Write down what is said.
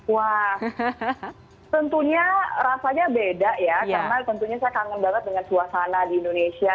wah tentunya rasanya beda ya karena tentunya saya kangen banget dengan suasana di indonesia